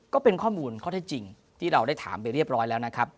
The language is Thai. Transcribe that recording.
ก็เป็นข้อมูลข้อเท็จจริงที่เราได้ถามไปเรียบร้อยแล้วนะครับ